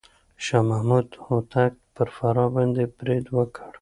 شاه محمود هوتک پر فراه باندې بريد وکړ.